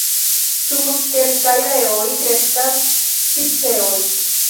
Sur kelkaj areoj kreskas piceoj.